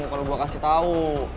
kalo gue kasih tau